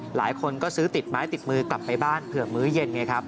หลายคนก็ซื้อติดไม้ติดมือกลับไปบ้านเผื่อมื้อเย็นไงครับ